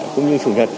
cũng như chủ nhật